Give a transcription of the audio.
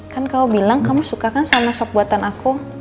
kan kamu bilang kamu suka kan sama sop buatan aku